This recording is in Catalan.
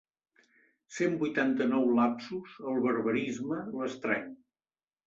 Cent vuitanta-nou lapsus, el barbarisme, l'estrany.